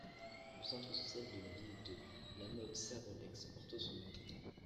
Le centre social de la ville de La Motte-Servolex porte son nom.